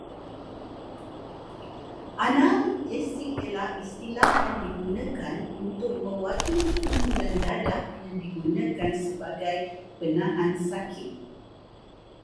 Analgesik ialah istilah yang digunakan untuk mewakili kumpulan dadah yang digunakan sebagai penahan sakit